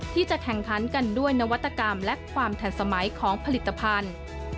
ที่จะแข่งขันกันด้วยนวัตกรรมและความทันสมัยของผลิตภัณฑ์